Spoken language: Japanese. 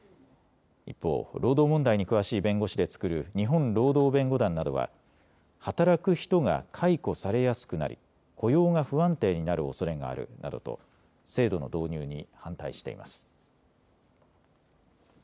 一方、労働問題に詳しい弁護士で作る日本労働弁護団などは働く人が解雇されやすくなり雇用が不安定になるおそれがあるなどと制度の導入に反対しています。